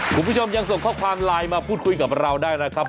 คุณผู้ชมยังส่งข้อความไลน์มาพูดคุยกับเราได้นะครับ